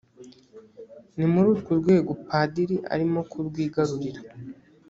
ni muri urwo rwego padiri arimo kurwigarurira